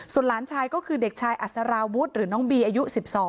ส่วนหลานชายก็คือเด็กชายอัศราวุฒิหรือน้องบีอายุ๑๒